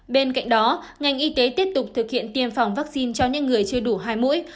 bên cạnh đó ngành y tế tiếp tục thực hiện tiêm phòng vaccine cho những người chưa đủ hai mũi